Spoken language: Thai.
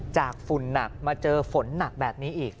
ฝุ่นหนักมาเจอฝนหนักแบบนี้อีก